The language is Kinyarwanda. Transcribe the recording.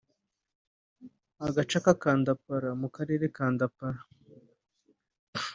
Agace ka Kandapara mu Karere ka Kandapara